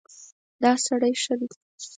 دا سړی ښه دی.